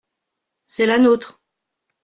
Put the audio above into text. C’est la nôtre.